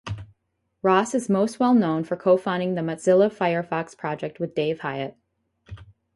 Ross is most well known for co-founding the Mozilla Firefox project with Dave Hyatt.